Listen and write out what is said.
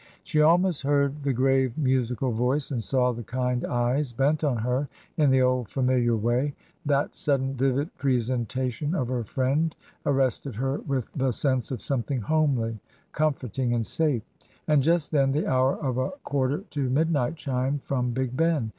She almost heard the grave, musical voice and saw the kind eyes bent on her in the old familiar way ; that sudden vivid presentation of her friend arrested her with the sense of something homely, comforting, and safe. And just then the hour of a quarter to midnight chimed from Big Ben.